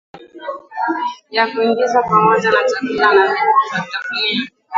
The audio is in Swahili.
ya kuingizwa pamoja na chakula na vitafunio